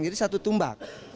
jadi satu tumbang